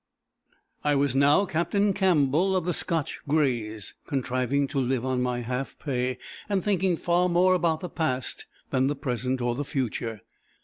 _ I was now Captain Campbell, of the Scotch Greys, contriving to live on my half pay, and thinking far more about the past than the present or the future.